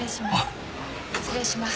失礼します。